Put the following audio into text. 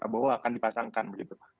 pak probowo akan dipasangkan begitu